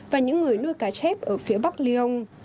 và những người nuôi cá chép ở phía bắc lyon